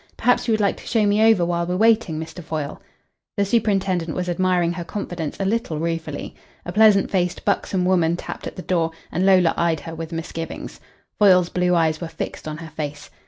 Perhaps you would like to show me over while we're waiting, Mr. Foyle." The superintendent was admiring her confidence a little ruefully. A pleasant faced, buxom woman tapped at the door, and Lola eyed her with misgivings. Foyle's blue eyes were fixed on her face.